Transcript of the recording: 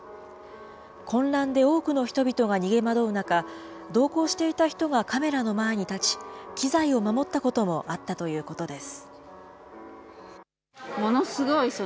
混乱で多くの人々が逃げ惑う中、同行していた人がカメラの前に立ち、機材を守ったこともあったということです。